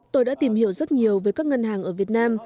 tôi đã tìm hiểu rất nhiều với các ngân hàng ở việt nam